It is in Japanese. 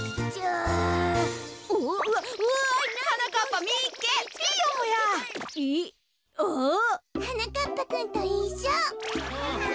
あ！はなかっぱくんといっしょ。